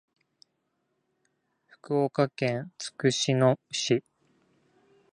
福岡県筑紫野市